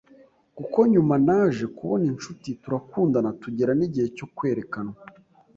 kuko nyuma naje kubona inshuti turakundana tugera n’igihe cyo kwerekanwa.